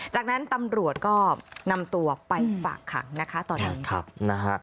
จากนั้นตำรวจก็นำตัวไปฝากขังนะคะตอนนั้นนะฮะ